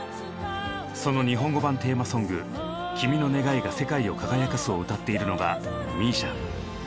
その日本語版テーマソング「君の願いが世界を輝かす」を歌っているのがＭＩＳＩＡ。